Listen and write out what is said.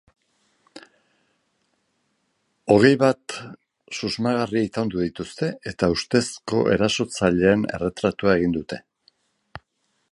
Hogei bat susmagarri itaundu dituzte, eta ustezko erasotzaileen erretratua egin dute.